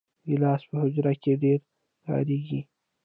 ګیلاس په حجره کې ډېر کارېږي.